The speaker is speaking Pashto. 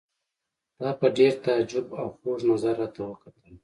تا په ډېر تعجب او خوږ نظر راته وکتل.